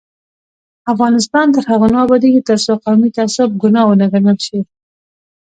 افغانستان تر هغو نه ابادیږي، ترڅو قومي تعصب ګناه ونه ګڼل شي.